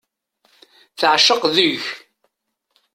Teεceq deg-k.